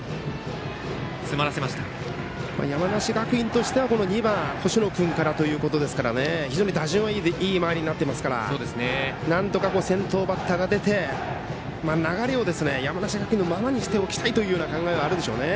山梨学院としては２番、星野君からということですから打順はいい回りになっていますから先頭バッターが出て流れを山梨学院のままにしておきたいという考えはあるでしょうね。